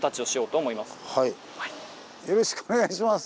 よろしくお願いします！